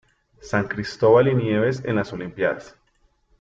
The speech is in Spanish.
San Cristóbal y Nieves en las olimpíadas